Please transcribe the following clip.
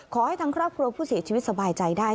ขอให้ทางครอบครัวผู้เสียชีวิตสบายใจได้